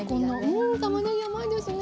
うんたまねぎ甘いですね。